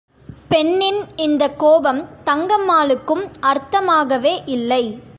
பெண்ணின் இந்தக் கோபம் தங்கம்மாளுக்கும் அர்த்தமாகவே இல்லை.